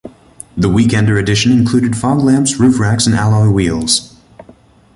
The Weekender edition included fog lamps, roof racks and alloy wheels.